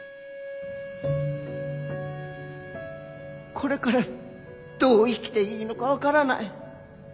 これからどう生きていいのか分からない。